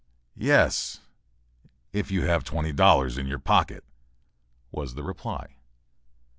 "Yes, if you have twenty dollars in your pocket," was the reply.